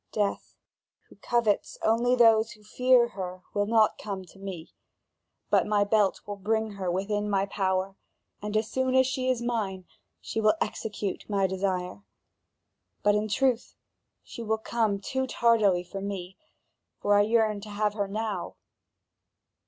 Death, who covets only those who fear her, will not come to me; but my belt will bring her within my power, and as soon as she is mine, she will execute my desire. But, in truth, she will come too tardily for me, for I yearn to have her now!"